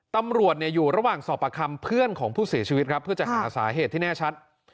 ตำรวจอยู่ระหว่างสอบประคำเพื่อนของผู้เสียชีวิตครับเพื่อจะหาสาเหตุที่แน่ชัด